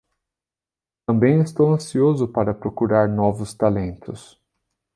Também estou ansioso para procurar novos talentos.